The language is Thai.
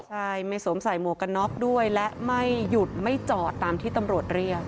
ใช่ไม่สวมใส่หมวกกันน็อกด้วยและไม่หยุดไม่จอดตามที่ตำรวจเรียก